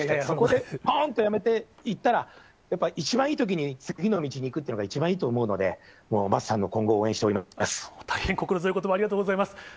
そこでぽーんと辞めていったら、やっぱり一番いいときに次の道に行くっていうのが一番いいと思うので、もう桝さんの今後を応援し大変心強いことば、ありがとうございます。